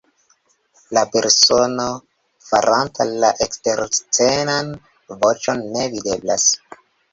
La persono faranta la eksterscenan voĉon ne videblas.